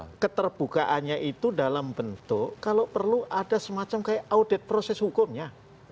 nah keterbukaannya itu dalam bentuk kalau perlu ada semacam kayak audit proses hukumnya